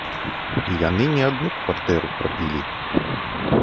Яны не адну кватэру прапілі!